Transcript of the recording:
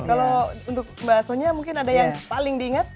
kalau untuk mbak sonia mungkin ada yang paling diingat